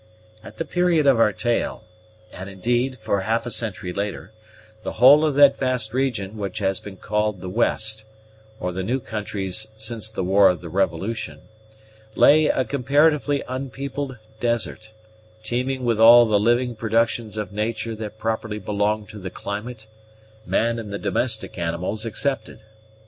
At the Period of our tale, and, indeed, for half a century later, the whole of that vast region which has been called the West, or the new countries since the war of the revolution, lay a comparatively unpeopled desert, teeming with all the living productions of nature that properly belonged to the climate, man and the domestic animals excepted.